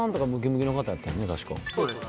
そうです